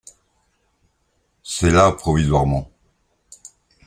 C’est là provisoirement.